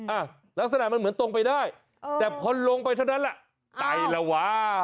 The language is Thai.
อ่ะลักษณะมันเหมือนตรงไปได้แต่พอลงไปเท่านั้นแหละไตละวะ